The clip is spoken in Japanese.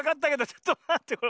ちょっとまってよ。